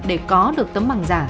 để có được tấm bằng giả